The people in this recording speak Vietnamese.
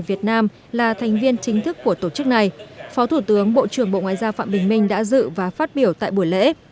việt nam là thành viên chính thức của tổ chức này phó thủ tướng bộ trưởng bộ ngoại giao phạm bình minh đã dự và phát biểu tại buổi lễ